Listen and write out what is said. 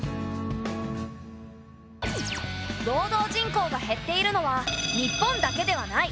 労働人口が減っているのは日本だけではない。